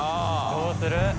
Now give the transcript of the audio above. どうする？